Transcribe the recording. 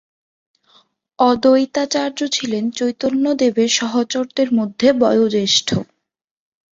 অদ্বৈতাচার্য ছিলেন চৈতন্যদেবের সহচরদের মধ্যে বয়োজ্যেষ্ঠ।